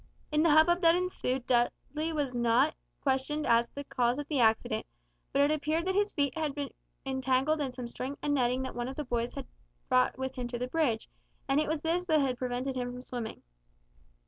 In the hubbub that ensued Dubley was not questioned as to the cause of the accident; but it appeared that his feet had got entangled in some string and netting that one of the boys had brought with him to the bridge, and it was this that had prevented him from swimming.